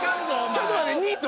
ちょっと待って。